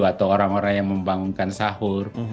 atau orang orang yang membangunkan sahur